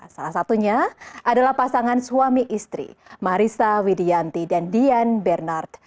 salah satunya adalah pasangan suami istri marissa widianti dan dian bernard